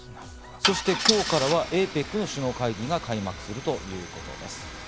そして今日からはＡＰＥＣの首脳会議が開幕するということです。